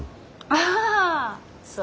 ああそう。